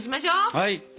はい。